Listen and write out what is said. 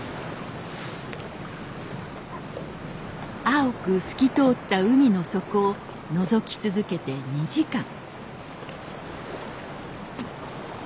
青く透き通った海の底をのぞき続けて２時間。